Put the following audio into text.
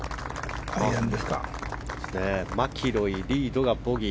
マキロイ、リードがボギー。